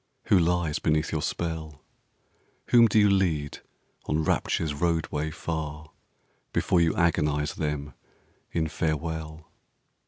Who lies beneath your spell? Whom do you lead on Rapture's roadway, far, Before you agonise them in farewell?